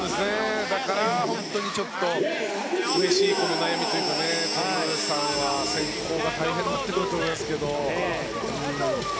だから、本当にうれしい悩みというかホーバスさんは選考が大変になってくると思いますが。